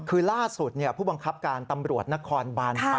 คือล่าสุดผู้บังคับการตำรวจนครบาน๘